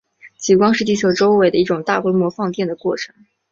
极光是地球周围的一种大规模放电的过程。